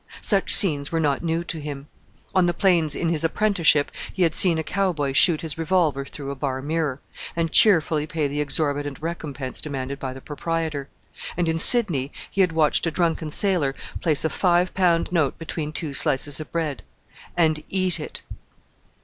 Such scenes were not new to him. On the plains in his apprenticeship he had seen a cowboy shoot his revolver through a bar mirror and cheerfully pay the exorbitant recompense demanded by the proprietor: and in Sydney he had watched a drunken sailor place a five pound note between two slices of bread and eat it!